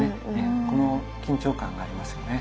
この緊張感がありますよね。